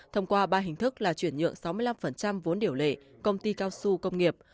thông qua ba hình thức là chuyển nhượng sáu mươi năm vốn điều lệ công ty cao su công nghiệp